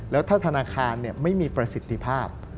แล้วถ้าธนาคารไม่มีประสิทธิภาพ